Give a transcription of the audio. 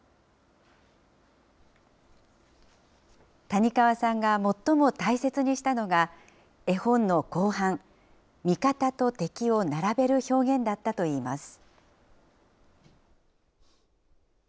谷川さんが最も大切にしたのが、絵本の後半、味方と敵を並べる表現だったといいます。